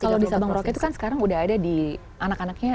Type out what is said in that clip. kalau di sabang merauke itu kan sekarang udah ada di anak anaknya